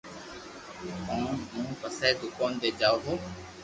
ڪوم مون پسي دوڪون تي جاوُ ھون